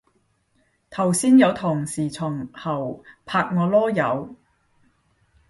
頭先有同事從後拍我籮柚